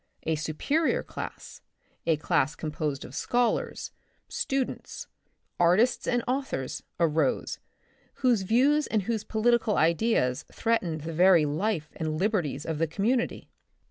A superior class, a class composed of scholars, students, artists and authors, arose, whose views and whose political ideas threatened the very life and liberties of the community.